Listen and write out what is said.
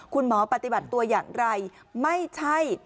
ปฏิบัติตัวอย่างไรไม่ใช่